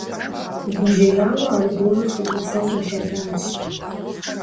Гужьеяуэ, аргуэру хы Ӏуфэм Ӏулъэдащ.